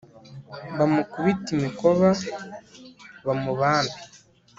bamukubite imikoba bamubambe